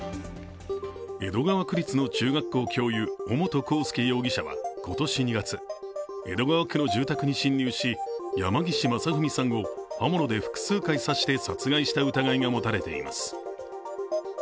江戸川区立の中学校教諭、尾本浩介容疑者は今年２月、江戸川区の住宅に侵入し山岸正文さんを刃物で複数回刺して殺害した疑いが持たれています。